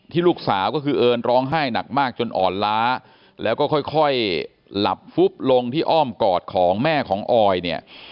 ลูกสาวก็คือเอิญร้องไห้หนักมากจนอ่อนล้าแล้วก็ค่อยหลับฟุบลงที่อ้อมกอดของแม่ของออยเนี่ย